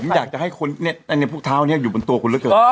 แต่อยากให้คนในพวกเท้านี้อยู่บนตัวคุณละเกิด